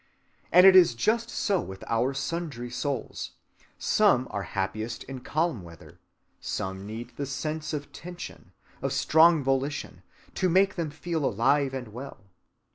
And it is just so with our sundry souls: some are happiest in calm weather; some need the sense of tension, of strong volition, to make them feel alive and well.